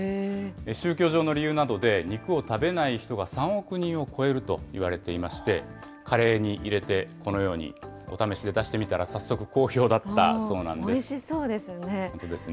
宗教上の理由などで、肉を食べない人が３億人を超えるといわれていまして、カレーに入れて、このようにお試しで出してみたら、早速、おいしそうですね。